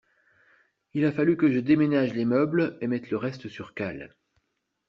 Il a fallu que je déménage les meubles et mette le reste sur cales.